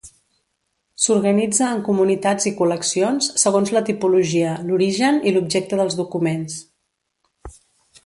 S'organitza en comunitats i col·leccions segons la tipologia, l'origen i l'objecte dels documents.